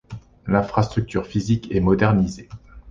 L'infrastructure physique est modernisée.